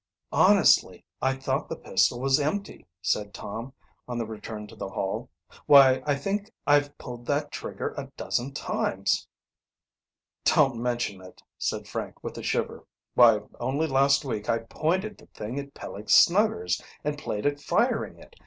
"Honestly, I thought the pistol was empty," said Tom, on the return to the Hall. "Why, I think I've pulled that trigger a dozen times." "Don't mention it," said Frank with a shiver. "Why, only last week I pointed the thing at Peleg Snuggers and played at firing it.